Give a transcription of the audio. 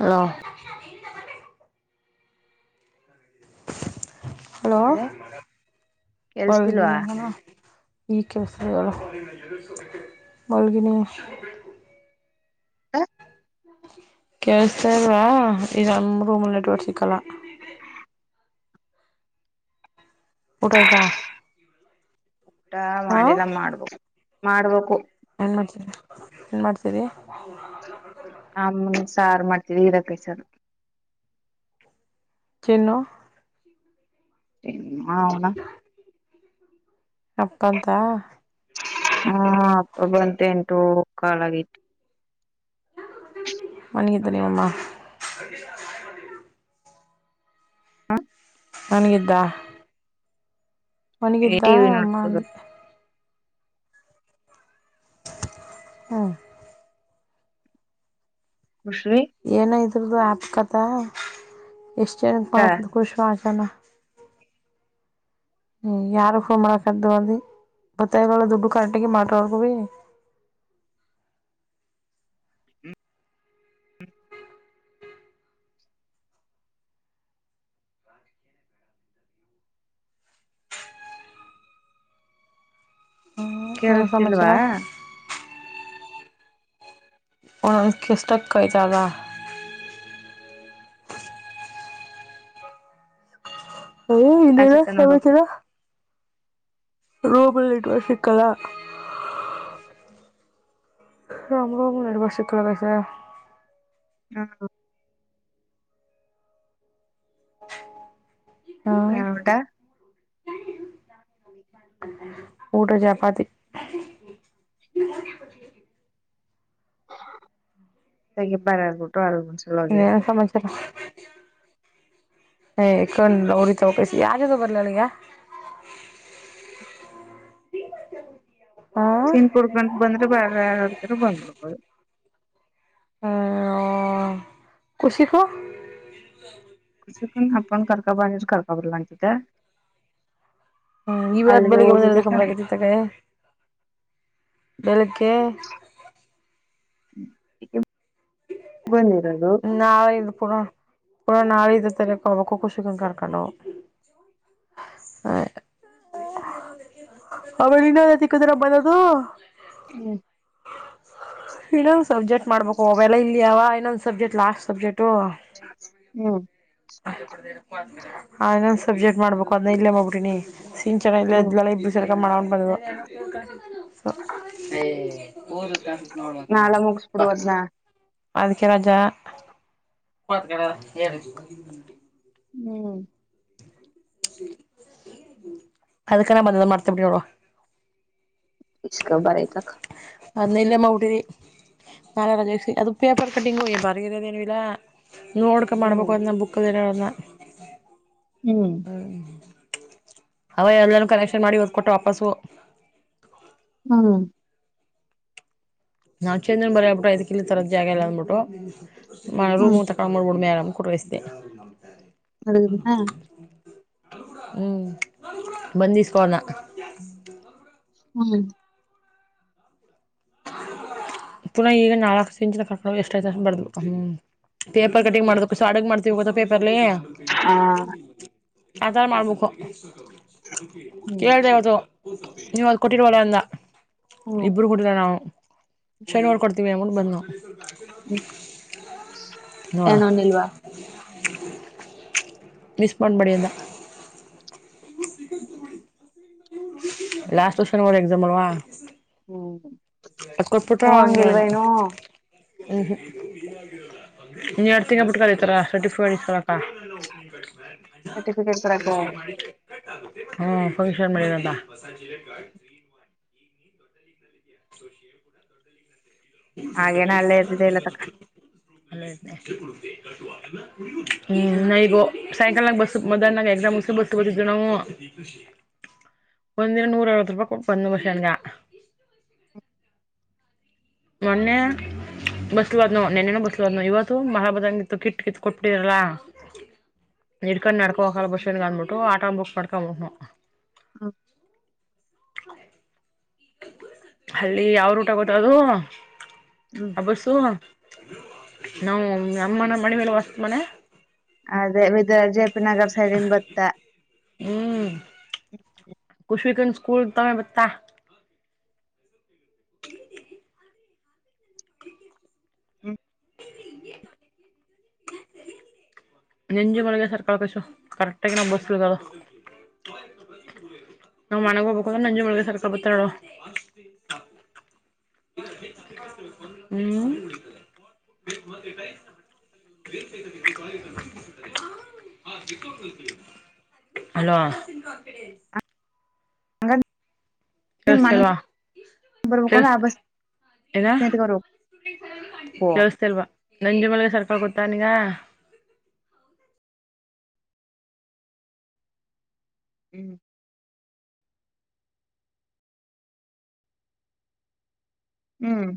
ಹ ಹಲೋ ಇದೆ ಒಗ ಕೆಲ್ಸತಿಲ್ವಾ ಈಗ ಕೆಲ್ಸುತ್ತಾ ಹೇಳು ಮಲ್ಗಿನಿ ಕೇಳ್ಸ್ತಾಇಲ್ವಾ ನಮ್ ರೂಮಲ್ಲಿ ನೆಟ್ಟವರ್ಕ್ ಸಿಕ್ಕಲ್ಲ ಊಟ ಆಯ್ತಾ ಊಟ ಹಾ ಮಾಡಿಲ್ಲ ಮಾಡ್ಬೇಕು ಮಾಡ್ಬೇಕು ಏನು ಮಾಡ್ತೀರಿ ಏನು ಮಾಡ್ತಿದೀಯ ಹ ಆ ಸಾರು ಮಾಡ್ತವಿ ಇರಾ ಕೈಸಾರ ತಿನ್ನು ಹೌನ ಅರ್ಥಯ್ತಾ ಹಾ ಹ ಅಪ್ಪ ಬಂತೆ ಎಂಟು ಕಾಾಲಾಗಿತ್ತು ಮನೇಗಿದಿನಮ್ಮ ಅ ಮಂಗಿದ್ದ ಮಂಗಿದ್ದ ಟಿವಿ ಅಮ್ಮ ನೋಡ್ಬೋದು ಅಂದೇ ಹ್ಮ್ ಖುಷಿ ಏನ ಇದ್ರದದು ಆ್ಯಪ್ಕತ್ತ ಎಷ್ಟು ಜನಕ್ಕೆ ಮಾಡಕ ಖುಷ ಆಣ ಹ್ಮ ಯಾರ ಹೋ ಮಾಡಕದ್ದು ಅದ ಬತ್ತಗಳು ದುಡ್ಡು ಕರೆಟಗ ಮಾಡವರ್ಗ ಭ ಏನು ಕೇಳಿಸತಿಲ್ವಾ ಸಮಾಚಾರ ಒಂದುಕ್ಕೆಷ್ಟಕ್ಕೈತಾಗ ಏ ಇಲ್ಲರ ಅನ್ಸುತ್ತ ನೋಡು ಸಮಾಚಾರ ರೂಬಲ್ಲಿ ಇಟ್ಟುವ ಸಿಕ್ಕದ ನಮ್ ರೂಮಲ್ಲಿ ಎವ ಶಿಲಾಗಿಸ ಹಾ ಹಾ ಎಟಾ ಊಟ ಚಪಾತಿ ತೆ ಬಾರ ಆಗ್ಬಿಟ್ಟು ಆರ್ ಇನ್ನೇನು ಸಮಾಚರ ಏ್ ಕಣ್ಣು ಉರಿತವ ತಗಕಸ ಯ್ಯದ ಬರ್ಲಳಗ [inaudible] ಹಾ ಸನ್ ಕುುಡ್ಗಂ ಬಂದ್ರೆ ಬಾ ಆಡ್ತ ಬಂದ್ಬಿಡ್ಬೋದು [unintelligible] ಕುಸಿಕ [inaudible] ಅಪ್ಪನ ಕರ್ಕೊಂಬಾ ಅಂದರ ಕರ್ಕೊಂಬರಲ್ಲ ಅಂತಿದ್ದೆ. ಹ್ಮ್ ಇವಾದ ಅಲ್ಲಿಗೆ ಬೆಳಿಗ್ಗೆ ಬಂದರದ ಹೋಗಿದ್ದ ಕಂಬರಗತಿ ತಗ ಬೆಳಗೆ [unintelligible] ಬಂದಿರದು [inaudible] ನಾಳೆ ಇದು ಪುನ ಪುನಃ ನಾಳೆ ಇದು ತಕ ನಮಕ ಖುಷಿನುಕರಕೊಂಡು. ಹಾ [inaudible] ಅವಳ ಇನ್ನ ತಿಕ್ಕಿದರಮ್ಮನದು [unintelligible] ಹ್ಮ್ [inaudible] ಇನ್ನೊಂದುಸಬ್ಜೆಕ್ಟ್ ಮಾಡ್ಬೇಕು. ಓವೆಲ್ಲ ಇಲ್ಲಿಯ [unintelligible] ಅವ ಇನ್ನೊಂದ್ ಸಬ್ಜೆಕ್ಟ್ ಲಾಸ್ಟ್ ಸಬ್ಜೆಕ್ಟು. ಹ್ಮ್ ಆಂದ್ ಸಬ್ಜೆಕ್ಟ್ ಮಾಡ್ಬೇಕು ಅದ ಇಲ್ಲೇ ಮಗ್ರಿನಿ ಸನ್ ಚನ್ನ ಇಲ್ಲ ಹ್ಮ್ [unintelligible] ಸರಕ ಮಾಡ ಬಂದ [inaudible] ಹಓದ ಕಸ ನೋಡ್ಬೇಕ ನಾಳ ನಾನು ಬಾ [unintelligible] ಮುಗಸ್ಬಿಡುವದ್ನ ಅದಕ್ಕೆ ರಜಾ [unintelligible] ಹ್ಮ್, ಅದಕ್ಕೆ ನಾ ಬಂದ ಮಾ [unintelligible] ಡ್ತ ಬಿ ನಡ ಇಷ್ಟಕ ಬರ ಆಐತ [inaudible] ಅದ್ನಾ ಇಲ್ಲೇ ಮಾಡಿಬಿಟ್ಟದಿನಾರಜ [unintelligible] ಸ ಅದು ಪೇಪರ್ ಕಟ್ಟಿಂಗು ಬರಗಿರೋದೇನು ಇಲ್ಲಾ. ನೋಡ್ಕ ಮಾಡ್ಬೇಕು ಹ್ಮ್ ಅದನ್ನ ಬುಕ್ದಲ್ಲಿ ಇರದನ್ನಾ. ಹ್ಮ್, ಹ್ಮ್, ಅವೇ ಎಲ್ಲಾನ ಕಲೆಕ್ಷನ್ ಮಾಡಿ ಕೊಟ್ಟೆ ವಾಪಸ್ಸು. ಹ್ಮ [unintelligible] ನಾವ್ ಚೇಂದ್ರನ್ ಬರರಿ ಆ್ಬಿಟ್ಟು ದ್ಕ್ಕ ಇಲ್ಲಿ ತರದ್ ಜಾಗ ಇಲ್ಲ ಅಂದ್ಬಿಟ್ಟು ಮ ರೂಮ್ ಹ್ಮ್ ತ [unintelligible] ಕಮರ ೂಡಮರಾಮ ಕೊಟ ವತೇ ಅಡುಗದನಾ [unintelligible] ಹ್ಮ್, ಬಂದ ಇಸ್ಕೋಣ್ಣ. ಹ್ಮ [inaudible] [inaudible] ಪುನಃ ಈಗ ನಾಲ್ಕಕ್ ಸಿಂಚಿನ ಕಕೊಂಡ ಎಷ್ಟಐ್ತ ಬರ್ಬೇಕು ಹ್ಮ್ [unintelligible] ಪೇಪರ್ ಕಟಿಂಗ್ ಮಾಡದು ಅಡಗ ಮಾಡ್ತಿವಿ ಗೊತ್ತಾಪೇಪರ್ಲ್ಲಿ. ಆ ಆತರ ಮಾಡ್ಬೇಕು ಹ್ಮ್ ಕೇಳ್ದ ಅವದು ನೀಅದ್ ಕೊಟ್ಟಿರ್ವಲ್ಲ ಅಂದ ಹ್ಮ್ ಇಬರು ಕೊಟ್ಟರ ನಾವು [unintelligible] ಶನಿವಾರ ಕೊಡ್ತೀವಿ ಅ [unintelligible] ಬಂದವು ಹ್ಮ್, ನೋಡ ಏನೋನ್ಲ್ವಾ [unintelligible] ಮಿಸ್ ಮಾಡಂಡ್ಬಡಿಯದ [unintelligible] ಲಾಸ್ಟ್ ವರ್ಷ [unintelligible] ಎಕ್ಸಾಮ ಅಲ್ವಾ ಹ್ಮ್, ಕೊಪಿಟ್ಟ ಅಾಂಗನು [unintelligible] ಹ್ಮ್, ಹ್ಮ್ ನೀನ್ ಎರಡ್ ತಿಂಗಳ ಬಿಟ್ಕಳಿ ಇತರ twenty four into seven. Certificate ಓಪಿ ಈರ ಕೊಡಕ ಸೇವ್ ಮಾಡಿ [unintelligible] ಹ್ಮ್, ಫಂಕ್ಷನ್ ಮ [inaudible] ಬಸಚಿ [inaudible] ಸಶ್ಯ [inaudible] ಲ್ಲ ಹಾಗೇನ ಅಲ್ಲೇ ಇರ್ದಿದೆ ಇಲ್ಲ ತಕ [unintelligible] ಹ್ಮ್, ನ ಈಗೋ ಸೈಕಲ್ನಾಗ ಬಸ್ ಮಧಹನಾಗ [unintelligible] ಎಗ್ರ್ ಮುಸ ಬಸ್ ಬಓದಿದ್ರು ನಾವು ಒಂದಿನ ನೂರೈವತ್ತು ರೂಪಾಯಿ ಕೊಟ್ಟು ಬಂದವು ಸ್ಟ್ಯಾಂಡಿಗ. ಮೊನ್ನೆ ಬಸ್ಲುಹೋದವ ನೆನ್ನ ಬಸ್ಲು ನ ಹೋದ್ನವ ಇವತ್ತು ಮಳೆ [unintelligible] [unintelligible] ಕಿಟ್ ಕಿತ್ ಕೊಟ್ಬ್ [unintelligible] ಇಡ್ಕೊಂಡ್ ನಡ್ಕೋ ಹಗಕ್ ಅಗಲ್ಲ ಬಸ್ಟ್ಯಾಂಡ್ಗೆ ಅಂದ್ಬಿಟ್ಟು ಆಟೋ ಬುಕ್ ಮಾಡ್ಕೊಂಡ್ ಹೋದೋ. ಹ ಹ ಹಳ್ಳಿ ಯಾವ ರೂಟಾಗ್ ಹೋದದು. ಹ್ಮ್ ಅಬಸ್ಸು ನಾವು ಅಮ್ಮನ ಮಣಿ ಮೇಲೆ ಹೊಸ್ ಮನೆ. ಅದೇ ವಿದ ಜೆಪಿ ನಗರ್ ಸೈಡಿಂದ ಬತ್ತಾ. ಹ್ಮ್ ಕುಷಿಕನ್ ಸ್ಕೂಲ್ ತವೇ ಬತ್ತಾ. ಹ್ಮ ನೆಂಜು ಮಳೆಗೆ ಸರ್ [unintelligible] ಕರೆಕ್ಟ್ ಆಗಿ ಇರೋ ಬಸ್ಗಳಿದಾವ. ನಾ ಮನಗ್ ಹೋಗಬೇಕು ಅಂದ್ರ ನಂಜು ಮುಳಗ ಸರ್ಕ ಬತ್ತಾಳು. ಹ್ಮ ಹಲೋ ಹಂಗ ನಿಮ್ ಕೇಳುಸ್ತಾ ಮನಗ್ ಇಲ್ವಾ. ಬರ್ಬೇಕು ಅಂದ್ರೆ ಕೇಳುಸ್ ಆ ಬಸ್ ಏನ ನಿತ್ಕೊಂಡ್ ಹೋಗ್ಬೇಕು ಕೇಳಿಸ್ತಾ ಇಲ್ವಾ. ನಂಜು ಮಳಗ [unintelligible] ಹ್ಮ್ ಹ್ಮ್